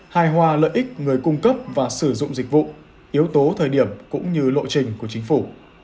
hài hòa lợi ích người cung cấp và sử dụng dịch vụ yếu tố thời điểm cũng như lộ trình của chính phủ